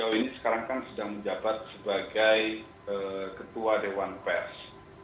karena beliau ini sekarang kan sedang menjabat sebagai ketua dewan pers